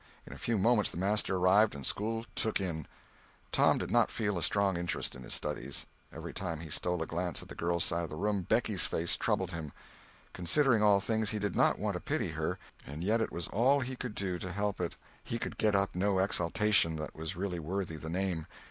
In a few moments the master arrived and school "took in." Tom did not feel a strong interest in his studies. Every time he stole a glance at the girls' side of the room Becky's face troubled him. Considering all things, he did not want to pity her, and yet it was all he could do to help it. He could get up no exultation that was really worthy the name.